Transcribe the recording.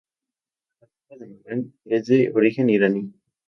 El nombre de Magán, es de origen Iraní.